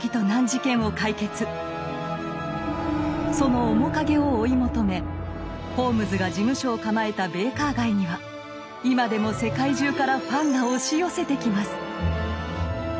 その面影を追い求めホームズが事務所を構えたベイカー街には今でも世界中からファンが押し寄せてきます！